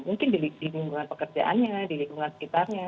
mungkin di lingkungan pekerjaannya di lingkungan sekitarnya